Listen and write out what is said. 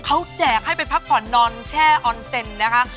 เขาแจกให้ไปพักผ่อนนอนแช่ออนเซ็นต์นะคะ